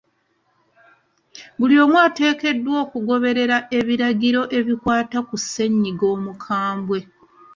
Buli omu ateekeddwa okugoberera ebiragiro ebikwata ku ssennyiga omukambwe.